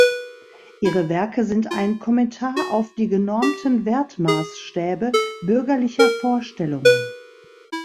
Ihre Werke sind ein Kommentar auf die genormten Wertmaßstäbe bürgerlicher Vorstellungen.